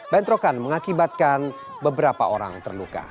bentrokan mengakibatkan beberapa orang terluka